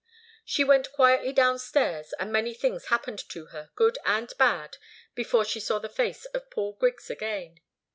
She went quietly downstairs, and many things happened to her, good and bad, before she saw the face of Paul Griggs again.